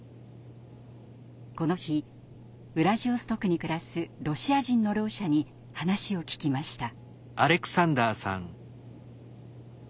この日ウラジオストクに暮らすロシア人のろう者に話を聞きました。